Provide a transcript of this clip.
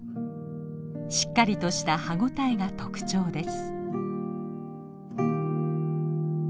しっかりとした歯応えが特徴です。